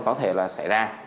có thể là xảy ra